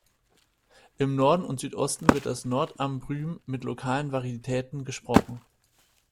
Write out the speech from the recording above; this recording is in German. Im Norden und Südosten wird "Nord-Ambrym" mit lokalen Varietäten gesprochen.